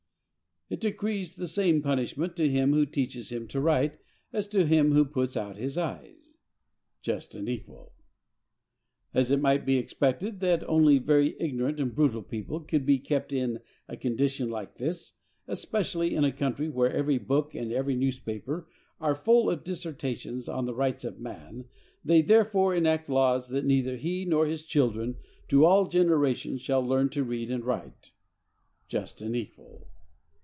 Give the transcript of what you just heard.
It decrees the same punishment to him who teaches him to write as to him who puts out his eyes.—Just and equal! As it might be expected that only very ignorant and brutal people could be kept in a condition like this, especially in a country where every book and every newspaper are full of dissertations on the rights of man, they therefore enact laws that neither he nor his children, to all generations, shall learn to read and write.—Just and equal!